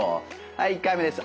はい１回目です